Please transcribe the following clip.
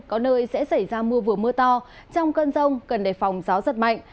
có nơi sẽ xảy ra mưa vừa mưa to trong cơn rông cần đề phòng gió giật mạnh